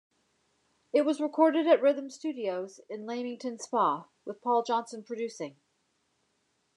It was recorded at Rhythm Studios in Leamington Spa with Paul Johnson producing.